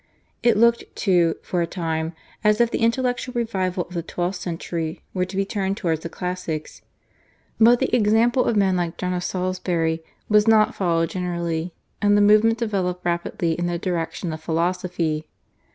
It looked, too, for a time, as if the intellectual revival of the twelfth century were to be turned towards the classics; but the example of men like John of Salisbury was not followed generally, and the movement developed rapidly in the direction of philosophy.